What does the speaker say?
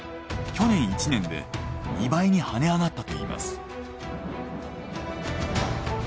去年１年で２倍に跳ね上がったといいます。